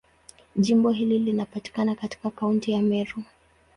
Jimbo hili linapatikana katika Kaunti ya Meru.